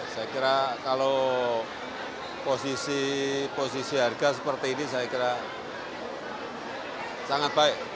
saya kira kalau posisi harga seperti ini saya kira sangat baik